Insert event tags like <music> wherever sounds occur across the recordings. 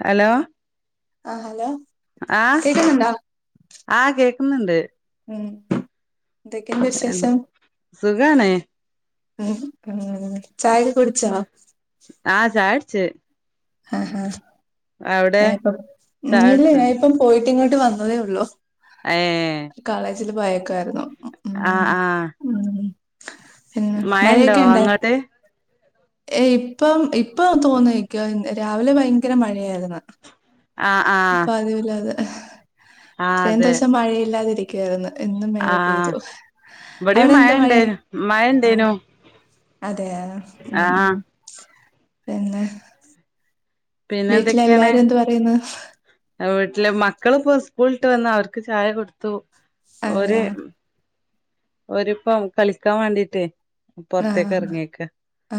Hello ആ hello ആഹ കേക്കുന്നുണ്ടോ ആഹ് കേക്ക ഒന്നണ്ട് ഉ എന്തൊക്കും വിശേഷം സുഖണേ ഉ ഉ ചായ കുടിച്ചോ ആഹ ചായ കുടിച്ചു ആഹഹാ പ്പ ഇല്ല ഞൻ ചായുടിച്ചോ ഇപ്പം പോയിട്ട് ഇങ്ങോട്ട് ംവന്നതേ ഉള്ളൂ ഏഹ് കോളേജില് പോയക്കായിരുന്നു ഉ ആഹ് ആഹ് ഉ പിന്നെ മഴണ്ടോ മഴയൊക്കെ ഉണ്ട അങ്ങോട്ട് ഏ ഇപ്പം ഇപ്പം തോന്നക്കോ രാവിലെ ഭയങ്കര മഴയായിരുന്നു ആഹ് ഇപ്പ ആഹ് അതി ഇല്ലാതെ ആഹ് ഇത്രയും അതെ ദിവസം മഴയില്ലാതിരിക്കും ായി എന്നും മഴ ആഹ് പെയ്തു ഇവിടെയും അവിടെ എന്താ മഴയാണ് മഴണ്ടേനു ആ മഴണ്ടേനു അതെ ഉ ഉ ആഹ് പിന്നെ പിന്നെ എന്തൊക്കെയാണ് വീട്ടിലെല്ലാരും എന്ത് പറയുന്നു വീട്ടിലെ മക്കള ഇപ്പ സ്കൂളിട്ട് വന്ന അവർക്ക് ചായ കൊടുത്തു ഒരേ അതെയാ ഒരിപ്പം കളിക്കാൻ വേണ്ടീട്ടേ ആ പൊറത്തേക്ക് എറങ്ങിയേക്ക ആ ആ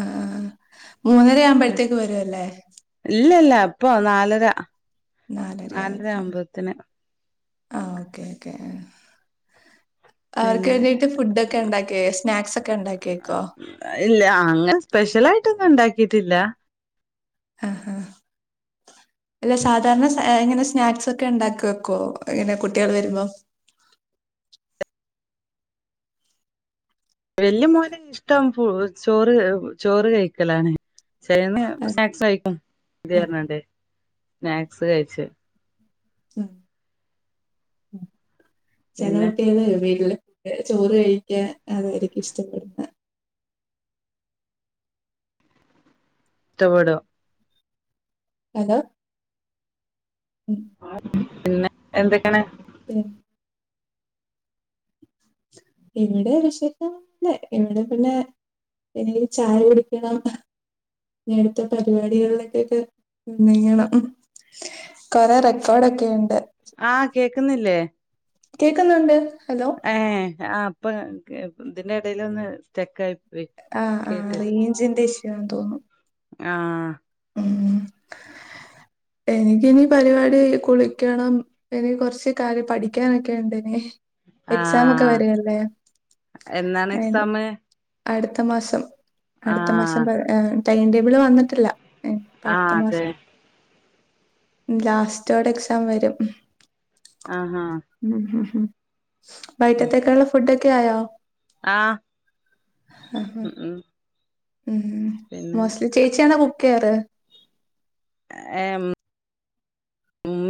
മൂന്നര ആവുമ്പോഴത്തേക്ക് വരുുംല്ലേ ഇല്ല ഇല്ല ഇപ്പൊ നാലര നാലരയാവും നാലര അ്പത്തിന് ആ ഓക്കേ ഓക്കേ അവർക്ക് പിന്നെ വേണ്ടിയിട്ട് ഫുഡ ഒക്കെ ഉണ്ടാക്കിയ സ്നാക്സ് ഒക്കെ ഉണ്ടാക്കി വെക്കോ ഇല്ല അങ്ങനെ സ്പെഷ്യല ആായിട്ടൊന്നും ഉണ്ടാക്കിട്ടില്ല ആഹ ഹഹ അല്ല സാധാരണ ഇങ്ങനെ സ്നാക്സ് ഒക്കെ ഉണ്ടാക്ക വെക്കോ ഇങ്ങനെ കുട്ടികൾ വരുമ്പോ <inaudible> വലിയ മോലെ ഇഷ്ടം ചോറ് ചോറ് കഴിക്കലാണ് ചൈന്ന് ആഹ് സ്നാക്സ് കഴിക്കും ആഹ് ഇഞ്ഞണ്ടേ സ്നാക്സ് കഴിച്ച പിന്നെ ചനകുട്ടിയാണ് വീട്ടില് ചോറ് കഴിക്കാൻ അതായിരിക്കും ഇഷ്ടപ്പെടുന്ന ഇറ്റവിട അനാ പിന്നെ എന്തൊക്കാണ് ഉ ഇവിടെ വിഷല്ലേ ഇവിടെ പിന്നെ പിന്നെ ചായ പിടിക്കണം ഇടുത്തെ പരിപാടികളിലൊക്കെൊക്കെ എന്നങ്ങണം കൊറെേ റെക്കോർഡൊക്കെ ഉണ്ട് ആഹ കേക്കുന്നില്ലേ കേക്കുന്നുണ്ട് ഹലോ ഹ അപ്പ അതിന്റെ ഇടയിൽ ഒന്ന് സ്റ്റെക്ക ആയി ആഹ ആഹ് റേഞ്ചിന്റെ ഇഷ്യു ആന്ന് തോന്നുന്നു ആഹ ഉം എനിക്കിന പരിപാടി കുളിക്കണം എനി കൊറച്ച് കാര്ം പഠിക്കാനൊക്കെ ഉണ്ട്ിന എക്സാം ഒക്കെ ആഹ് വരില്ലേ എന്നാണ് അ എക്സാമ് അടുത്ത മാസം അടുത്ത മാസം ആഹ് ടൈംടേബിള് വന്നിട്ടില്ല ഇനിയിപ്പോ ആഹ അടുത്ത അതെ മാസം ലാസ്റ്റോടെ എക്സാം വരും ആഹ് ആഹ് ബൈറ്റത്തേക്കെയ ഉുള്ള ഫുഡൊക്കെ ആയോ ആഹ ഹ ഹ ഹ മ് പിന്നെ മോസ്റ്റ്ലി ചേച്ചിയാണോ കുക്ക് ചെയർ ഏ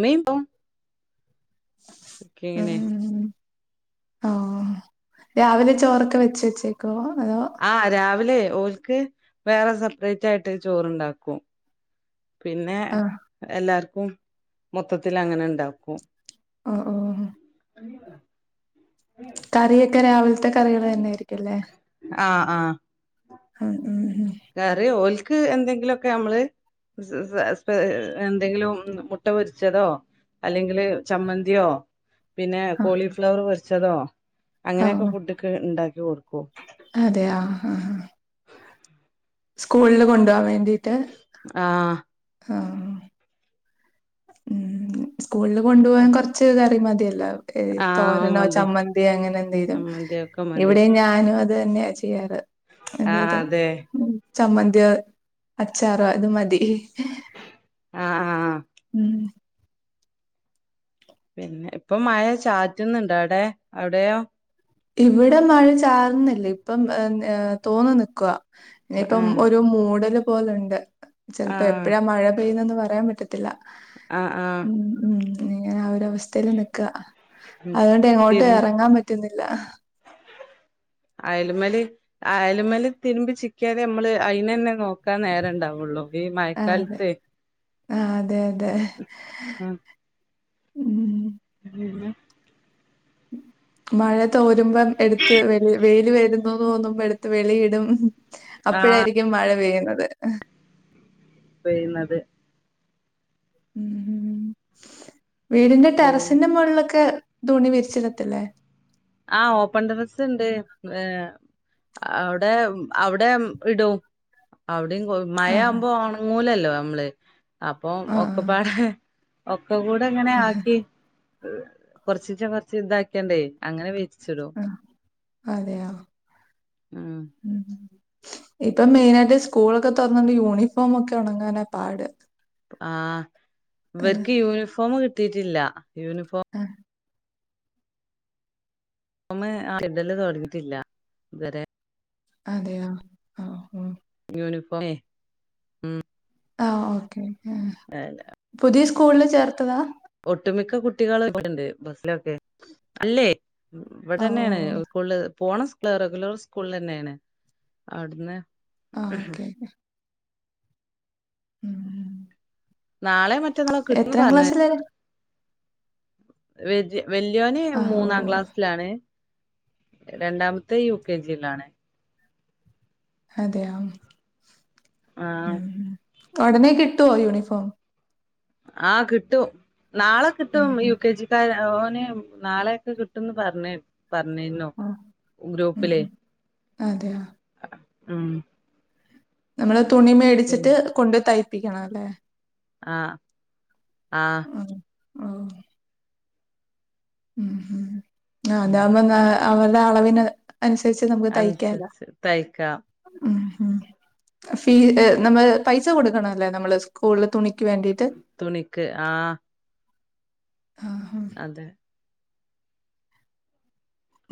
മമീം ഉം കുക്കീയ്ണെ ഉം ഓ രാവിലെ ചോറൊക്കെ വെച്ച് വെച്ചേക്കോ അതോ ആഹ് രാവിലെ ഓൽക്ക് വേറെ സെപ്പറേറ്റായ്ട്ട് ഒര് ചോറ്ണ്ടാക്കും. പിന്നെ ആഹ് എല്ലാർക്കും മൊത്തത്തിലങ്ങനെ ണ്ടാക്കും. ആ ആഹ് കറിയെക്കെ രാവിലത്തെ കറികളെന്നായിരിക്കുല്ലേ ആഹ് ആഹ് ഉം കറി ഓൽക്ക് എന്തെങ്കിലൊക്കെ ഞമ്മള് <unintelligible> എന്തെങ്കിലും മുട്ട പൊരിച്ചതോ അല്ലെങ്കില് ചമ്മന്ത്യോ പിന്നെ ആഹ് കോളിഫ്ലവർ പൊരിച്ചതോ അങ്ങനെക്കെ ഫുഡ്ഡ്ക്ക് ണ്ടാക്കി കൊട്ക്കും അതെയാ സ്കൂളില് കൊണ്ടോവാൻ വേണ്ടീട്ട് ആഹ് ആ മ് സ്കൂളില് കൊണ്ട് പോവാൻ കൊറച്ച് കറി മതിയല്ലോ ഏ ആഹ് തോരനോ മതി ചമ്മന്തിയോ അങ്ങനെ എന്തേലും ചമ്മന്തി ഒക്കെ മതി ഇവടെയും ഞാനും അത് തന്നെയാ ചെയ്യാറ് ആഹ് എന്തേലും അതെ ചമ്മന്ത്യോ അച്ചാറോ ഇത് മതി ആ ആ ആ മ് പിന്നെ ഇപ്പം മഴ ചാറ്റ്ന്ന്ണ്ടവടെ അവടെയോ ഇവിടെ മഴ ചാർന്നില്ലേപ്പം തോന് നിക്കാ ഇനിപ്പം ആഹ് ഒരു മൂടല് പോലണ്ട് ചെലപ്പോ ആഹ് എപ്പഴാ മഴ പെയ്യ്ന്നെന്ന് പറയാൻ പറ്റത്തി ആ ആ അവസ്ഥയില് നിക്കാ ഉം അതോണ്ട് എങ്ങോട്ടും എറങ്ങാൻ പറ്റുന്നി അയല്മല് അയല്മല് തിര്മ്പി ചിക്ക്യേത് ഞമ്മള് അയ്നന്നെ നോക് ക്കാം നേരണ്ടാവോള്ളൂ ഈ മഴക്കാലത്ത് ആ അതെ അതെ മ് മ് മഴ തോരുമ്പം എട്ത്ത് വ വെയ്ല് വെരു ന്നു തോന്നുമ്പോ എട്ത്ത് വെളീടും ആഹ് അപ്പഴായിരിക്കും മഴ പെയ്യുന്നത് പെയ്യ്ന്നത് മ് വീടിന്റെ പിന്നെ ടെറസിന്റെ മോളിലൊക്കെ തുണി വിരിച്ചിടത്തില്ലേ ആ ഓപ്പൺ ടെറസ്ണ്ട് ഏ അവടേം അവടേം ഇടും അവടേം മഴ ആഹ് ആവുമ്പോ ഒണങ്ങൂലല്ലോ ഞമ്മള് അപ്പൊ ആഹ് ആഹ് ഒക്കപ്പാടെ ഒക്കകൂടെങ്ങനെ ആക്കി കൊർച്ചീച്ചെ കൊർച്ച് താക്യാണ്ടേയ് അങ്ങനെ വിരി ച്ച്ടും അതേയോ ഉം മ് ഇപ്പം മെയിനാട്ട് സ്കൂളൊക്കെ തൊറന്നോണ്ട് യൂണിഫോമൊക്കെ ഒണങ്ങാനാ പാട് ആ ഏഹ് ഇവർക്ക് യൂണിഫോമ് കിട്ടിട്ടില്ല യൂണിഫോ ആഹ് യൂണിഫോമ് ആ ഇടല് തൊടങ്ങീറ്റില്ല ഇതെരെ അതെയോ ആ മ് യൂണിഫോമേ മ് ആ ഓക്കേ. പുതിയ സ്കൂളില് ചേർത്തതാ. ഒട്ടുമിക്ക കുട്ടികള് ഇവിടെണ്ട് ബസിലൊക്കെ അല്ലേ. ഇവിടെ ആഹ് തന്നെയാണ് ഓഹ് സ്കൂളില് പോണം. റെഗുലർ സ്കൂൾ തന്നെയാണ് അവിടുന്ന് ആ ഓക്കെ ഓക്കെ ഉം നാളെ മറ്റെന്നാളൊക്കെ കിട്ടുന്നു എത്രാം പറഞ്ഞ് ക്ലാസ്സിലാ വര്യ വല്യോന് ആഹ് മൂന്നാം ഓഹ് ക്ലാസ്സിലാണ്. രണ്ടാമത്തെ യു കെ ജിയിലാണ്. അതെയാ. ആ ഉടനെ കിട്ടുവോ യൂണിഫോം. ആ കിട്ടും. നാളെ ഉം കിട്ടും യു ഉം കെ ജിക്കാരെ ഓൻ ന് നാളെയൊക്കെ കിട്ടുന്ന് പറഞ്ഞേ പറഞ്ഞീന്നു ആഹ് ഉം ഗ്രൂപ്പിലെ ഉം അതെയോ ഉം നമ്മള് തുണി മേടിച്ചിട്ട് കൊണ്ട് തയ്പ്പിക്കണം അല്ലേ. ആ ആ ആ ഉം ഉം ആ അതാകുമ്പേ എന്ന അവരുടെ അളവിന് അനുസരിച്ച് നമുക്ക് തയ്ക്കാല. അനുസരിച്ച് തയ്ക്കാം ഉം ഉ ഫീ നമ്മ പൈസ കൊടുക്കണല്ലേ നമ്മള് സ്കൂളിൽ തുണി തുണിക്ക് ആ ആഹ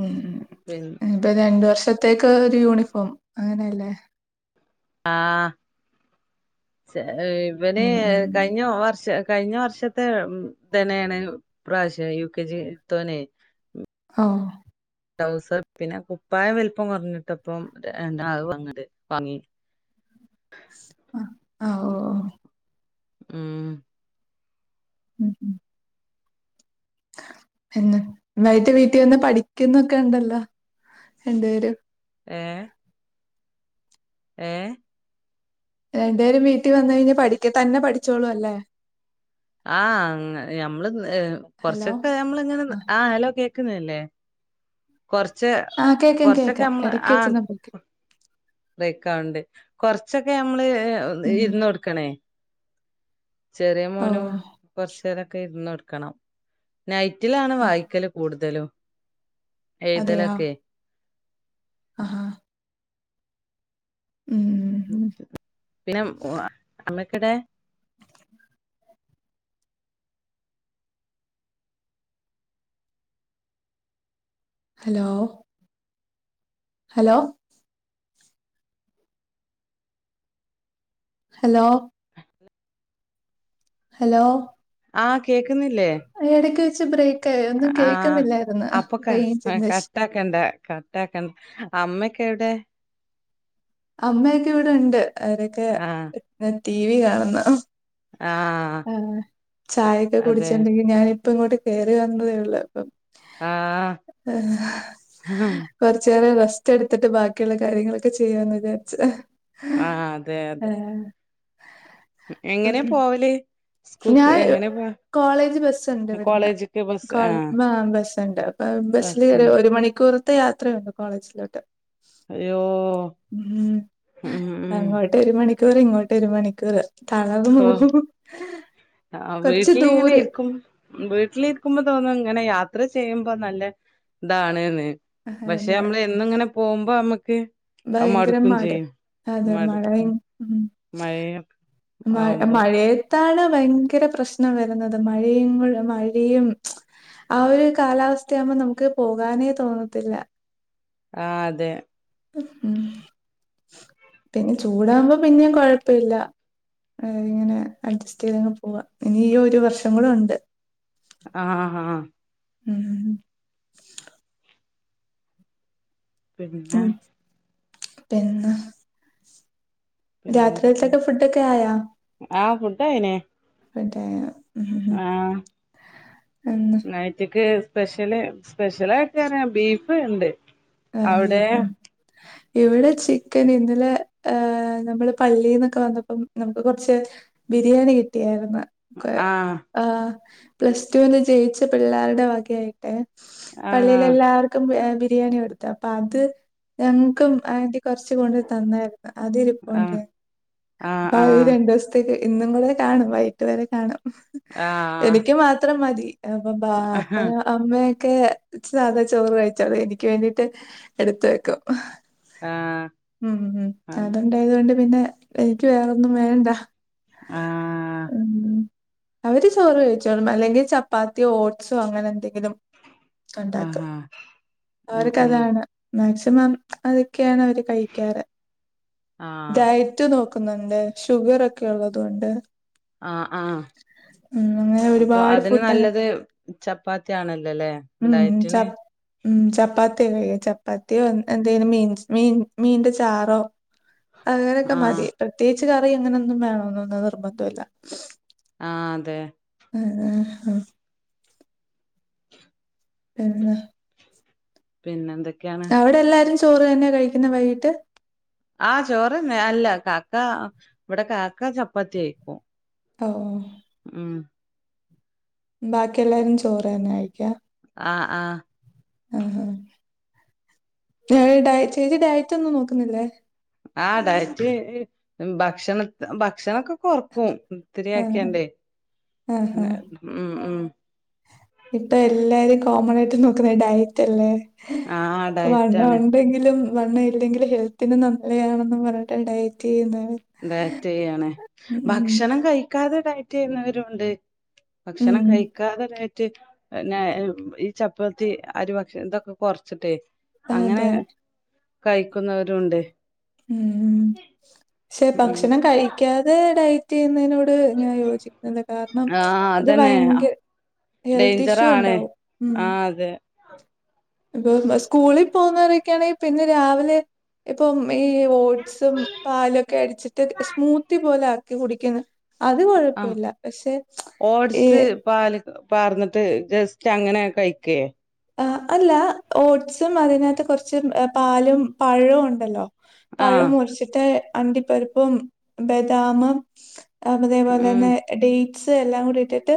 ഉ ഉം പിന്നെ ഇപ്പൊ രണ്ടു വർഷത്തേക്ക് ഒരു യൂണിഫോം അങ്ങനെയല്ലേ. ആ ചെ ഇവന് ഉം ഉം കഴിഞ്ഞ വർഷ കഴിഞ്ഞ വർഷത്തെ തന്നെയാണ് ഈ പ്രാവശ്യം. യു കെ ജിലത്തവനെ ആ ട്രൗസർ പിന്നെ കുപ്പായം വലുപ്പം കുറഞ്ഞിട്ടപ്പം രണ്ട് ങ്ങട് വാങ്ങി. <inaudible> ആ ആ, ഓ ഓ ഉം ഉം ഉം പിന്നെ വൈകിട്ട് വീട്ടിൽ വന്ന് പഠിക്കുന്നൊക്കെ ഉണ്ടല്ലോ. രണ്ടുപേരും. ഏ ഏ രണ്ടു പേരും വീട്ടിൽ വന്ന് കഴിഞ്ഞാ പഠിക്ക തന്നെ പഠിച്ചോളും അല്ലേ. ആ അങ്ങ് ഞമ്മള് ഹലോ കൊറച്ചൊക്കെ നമ്മള് ഇങ്ങനെ ആ ഹലോ കേ ക്കുന്നില്ലേ. കൊറച്ച് ആ, കേക്കാം കൊറച്ചൊക്കെ കേക്കാം നമ്മൾ ഇടക്ക് ആ വെച്ചൊന്ന് ബ്രേക്ക് ബ്രേക്കാവണ്ട്. കൊറച്ചൊക്കെ നമ്മള് ഉം ഇരുന്ന് കൊടുക്കണേ. ചെറിയ ഓ മോനും കുറച്ചേരൊക്കെ ഇരുന്ന് കൊടുക്കണം. നൈറ്റിലാണ് ആ വായിക്കല് കൂടുതലും. എഴുതലൊക്കെ. അഹാ. പിന്നെ ഓ നമ്മക്കിടെ <inaudible> ഹലോ ഹലോ ഹലോ ഹലോ ആഹ കേക്കുന്നില്ലേ ഇടയ്ക്ക് വെച്ച് ബ്രേക്ക് ആയി ഒന്നും ആഹ കേൾക്കുന്നില്ലായിരുന്നു അപ്പൊക്ക റേഞ്ചിന്റെ കട്ട ആാക്കണ്ട കട്ടാക്കണ്ട അമ്മക്ക എവിടെ അമ്മയൊക്കെ ഇവിടെണ്ട് അവരൊക്കെ ആഹ് ടി വി കാണുന്ന ആഹ് ആ ചായൊക്കെ അതെ കുടിച്ചട്ടുണ്ടെങ്കി ഞൻ ഇപ്പൊ ഇങ്ങോട്ട് കേയറി വന്നതേള്ള ആഹ് കൊറച്ചറെ ര ഇെടുത്തിട്ട് ബാക്കിയുള്ള കാര്യങ്ങളൊക്കെ ചെയ്യാന്ന് വിചാരിച്ച ആഹ അതെ അതെ എങ്ങനെ ഉം. പോവലേ ഞാൻ സ്കൂക്ക് എങ്ങനെ പോ കോളേജ് ബസ്ഉണ്ട് ണ് ഇവിടുന്ന് കോളേജ്ക്ക് ബസ് ആഹ് ബസ്സ്ഉണ്ട് അ ബസ്സൽ ബസ്ണ്ട് ഒരു മണിക്കൂർ പുറത്ത യാത്രയുണ്ടോ കോളേജിലോട്ട് അയോ ഉ അങ്ങോട്ട് ഒരു മണിക്കൂർ ഇങ്ങോട്ട് ഒരു മണിക്കൂറ് തണർന്നു ഹോ പോ ആ വീട്ടിലിങ്ങനെ ഇരിക്കും വീട്ടിലിരിക്കുമ്പോ തോന്നും ങ്ങനെ യാത്ര ചെയ്യുമ്പോ നല്ല താണ്ന്ന് പക്ഷെ അതെ നമ്മള് എന്നുങ്ങനെ പോഉമ്പോ അമ്മക്ക് ഭയങ്കര മട് അതെ മഴ വയ മടുക്കും ഉ മഴയ മൈ ആവുമ്പോ മയേ താണ് ഭയങ്കര പ്രശ്നം വരുന്നത് മഴയങ്ൾ മഴയും ആ ഒരു കാലാവസ്ഥയാവുമ്പോ നമുക്ക് പോകാനേ തോന്നത്തില്ല ആ അതെ ഉം പിന്നെ ചൂടാഉമ്പോ പിന്നെ കൊഴപ്പയില്ല ഇങ്ങനെ അഡ്ജസ്റ്റ് ചെയ്തങ്ങ് പോവാ ഇനി ഒരു വർഷം കൂടെ ഉണ്ട് ആഹ് ആഹ് ഉം പിന്നെ ഉം പിന്നെ പിന്നെ എന്തൊക്കെയാ രാത്രിയിലത്തൊക്കെ ഫുഡൊക്കെ ആയാ ആ ഫുഡായിന് <unintelligible> ഉം ആഹ് എന്നാ നയ്റ്റ്ക്ക് സ്പെഷ്യല് സ്പെഷ്യലായിട്ട്ന ബീഫ് ണ്ട് ആഹ് ബീഫോ ഇവിടെ ചിക്കൻ ഇന്നലെ ഹ് നമ്മള് പള്ളിന്നൊക്കെ വന്നപ്പം നമുക്ക് കുറച്ച് ബിരിയാണി കിട്ടിയായിരുന്ന കെ ആഹ് ആ പ്ലസ് ടുന്ന് ജയിച്ച പിള്ളേരുടെ വകയ ആയിട്ടെ ആഹ് പള്ളിയിലെല്ലാർക്കും എ ബിരിയാണി ഒടുത്തു അപ്പൊ അത് ഞങ്ങക്കുംആദ്യ കൊർച് കൊണ്ട്തന്നായിരുന്നു ആഹ് അതിരിപ്പോണ്ട് ആഹ് പ്പ അഹ് ആഹ് രണ്ടോസ്ത്തേക്ക് ഇന്നും കൂടെ കാണും വൈകിട്ട് വരെ കാണും ആഹ് എനിക്ക് മാത്രം മതി അപ്പൊ ആഹ് അപ്പന അമ്മ ക്കെ സാധാ ചോറ് കഴിച്ചോള് എനിക്ക് വേണ്ടിട്ട് എടുത് വെക്കും ആഹ് ഉം അതുണ്ടായതുകൊണ്ട് പിന്നെ എനിക്ക് വേറൊന്നും വേണ്ട ആഹ് ഉം അവര് ചോറ് കഴിച്ചോളും അല്ലെങ്കിൽ ചപ്പാത്തിയോ ഓട്സോ അങ്ങനെ എന്ത ങ്കിലും ക്കെണ്ടാക്കും ആഹാ ഉം ഉം അവർക്കതാണ് മാക്സിമം അത് ക്കെയാണ് അവര് കഴിക്കാറ് ആഹ് ഡയ നോക്കുന്നുണ്ട് ഷുഗർ ഒക്കെ ഉള്ളത് കൊണ്ട് ആ ആ ഉം. അങ്ങനെ അപ്പൊ ഒരുപാട് അതിന് ഫുഡ് അങ്ങനെ നല്ലത് ചപ്പാത്തിയാണല്ലോല്ലേ ഉം ച ഡയിറ്റിന് ഉം ചപ്പാത്തി ചപ്പാത്തിയോ എന്തേ മീൻ മീൻ മീന്റെ ചാറോ അങ്ങനൊക്കെ ആഹ് മതി പ്രത്യേകിച്ച് കറി അങ്ങനൊന്നും വേണന്നൊന്നും നിർബന്ധോല്ല ആഹ് അതെ ഹ് ഹ് ഹാ പിന്നേ പിന്നെ എന്തെ അവിടെ എല്ലാരും ചോറ് തന്നെയാ കഴിക്കുന്നേ വൈകിട്ട് കാഹ ഇവിടെ കാക്ക ചപ്പാത്തി കയിക്കും ഓ ഓ ഉം ബാക്കി എല്ലാരും ചോറ് തന്നെ ആയിക്ക ആ ആഹ് ആ ഹാ ഞാ ഡ ചെയ്ത് നീ ഡയറ്റ് ഒന്നും നോക്കുന്നില്ലേ ആ ഡയറ്റ് ഭക്ഷണ ഭക്ഷണൊക്കെ കൊറക്കും ആഹ് ത്തിരിയാക്കിയാണ്ടേ ആഹാ. ന്ന ഉം ഉം ഇപ്പൊ എല്ലാരും കോമൺ ആയിട്ട് നോക്കുന്നെ ഡയറ്റ് അല്ലേ ആഹ് വണ്ണം ഡയറ്റാണ് ഉണ്ടെങ്കിലും വണ്ണം ഇല്ലെങ്കിൽ ഹെൽത്തിന് നല്ലയാണെന്ന് പറഞ്ഞിട്ട് ഡയറ്റ് ചെയ്യുന്ന ഡയറ്റ് ചെയ്യണേ ഭക്ഷണം കഴിക്കാതെ ഡയറ്റ് ചെയ്യുന്നവരുംണ്ട് ഉം ഭക്ഷണം കഴിക്കാതെ ഡയ്- റ്റ് പിന്നെ ഈ ചപ്പാത്തി അരി ഭക്ഷണം ഇതൊക്കെ കൊറച്ചിട്ടേ അതെ കഴിക്കുന്നവരും ണ്ട് ഉം പക്ഷെ ഉം ഭക്ഷണം കഴിക്കാതെ ഡയറ്റ് നോട് ഞാൻ യോജിക്കുന്നില്ല കാരണം ആഹ് അത് അതന്നെ ഭയങ്കര ഹെൽത്ത് ഇഷ്യൂ ഡേഞ്ചറാണ് ഉണ്ടാവും ഉം ആഹ് അതെ ഇപ്പൊ സ്കൂളിൽ പോകുന്നവരൊക്കെയാണെങ്കിൽ പിന്നെ രാവിലെ ഇപ്പം ഈ ഓട്സും പാലൊക്കെ അടിച്ചിട്ട് സ്മൂത്തി പോലെ ആക്കി കുടിക്ക്ന്ന് അത് ആഹ് കൊഴപ്പമില്ല പക്ഷെ ഏ പാറന്നിട്ട് ജസ്റ്റ് അങ്ങനെ കഴിക്കേ ആ അല്ല ഓട്സും അതിനകത്ത് കുറച്ച് പാലും പഴവും ണ്ടല്ലോ പഴം ആഹ് മുറിച്ചിട്ട് അണ്ടിപ്പരിപ്പും ബദാമ് അതേപോലെ ഉം തന്നെ ഡേറ്റ്സ് എല്ലാം കൂടി ഇട്ടിട്ട്